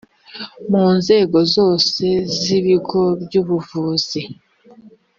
mu nzego zose z ibigo by ubuvuzi